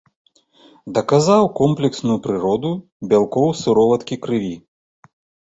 Даказаў комплексную прыроду бялкоў сыроваткі крыві.